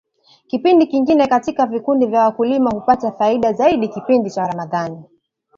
kipindi kingine katika Vikundi vya wakulima hupata faida Zaidi kipindi cha ramadhani